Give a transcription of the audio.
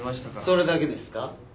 それだけですか？